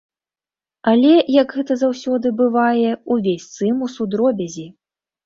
Але, як гэта заўсёды бывае, увесь цымус у дробязі.